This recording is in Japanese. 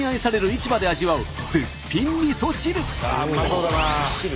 ああうまそうだな。